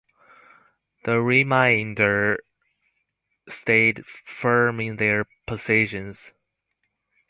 The remainder stayed firm in their positions.